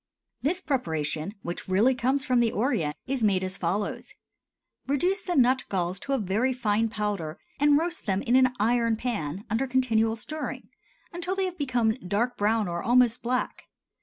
This preparation, which really comes from the Orient, is made as follows: Reduce the nut galls to a very fine powder and roast them in an iron pan under continual stirring until they have become dark brown or almost black.